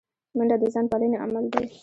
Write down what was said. منډه د ځان پالنې عمل دی